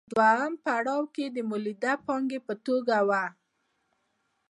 په دویم پړاو کې د مولده پانګې په توګه وه